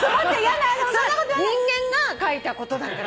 人間が書いたことだから。